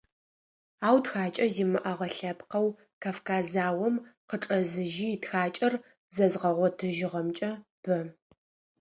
Ау тхакӏэ зимыӏэгъэ лъэпкъэу, Кавказ заом къыкӏэзыжьи, тхакӏэр зэзгъэгъотыжьыгъэмкӏэ – бэ.